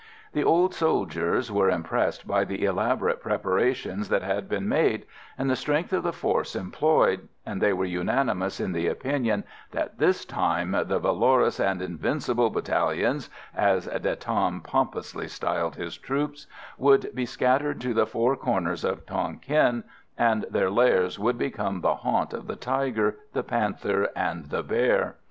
The old soldiers were impressed by the elaborate preparations that had been made and the strength of the force employed, and they were unanimous in the opinion that this time the "Valorous and Invincible Battalions," as De Tam pompously styled his troops, would be scattered to the four corners of Tonquin, and their lairs would become the haunt of the tiger, the panther and the bear.